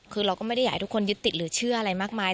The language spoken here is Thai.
คือเราก็ไม่ได้อยากให้ทุกคนยึดติดหรือเชื่ออะไรมากมาย